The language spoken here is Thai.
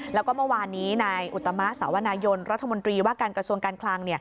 แล้วก็เมื่อวานนี้นายอุตมะสาวนายนรัฐมนตรีว่าการกระทรวงการคลัง